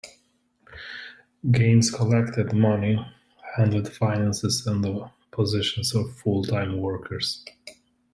Gaines collected money, handled finances and the possessions of full-time workers.